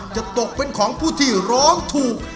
ตกเป็นของผู้ที่ร้องถูก